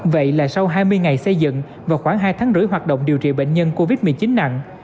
vậy là sau hai mươi ngày xây dựng và khoảng hai tháng rưỡi hoạt động điều trị bệnh nhân covid một mươi chín nặng